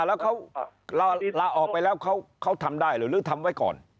แล้วเขาลาออกไปแล้วเขาทำได้หรือทำไว้ก่อน